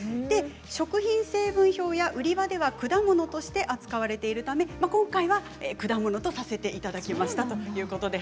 食品成分表や売り場では果物として扱われているため今回は果物とさせていただきましたということです。